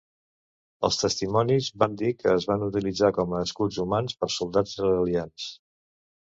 Els testimonis van dir que es van utilitzar com a escuts humans per soldats israelians.